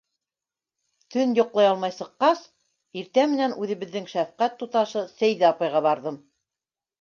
Төн йоҡлай алмай сыҡҡас, иртә менән үҙебеҙҙең шәфҡәт туташы Сәйҙә апайға барҙым.